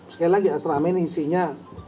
sekali lagi astrama ini isinya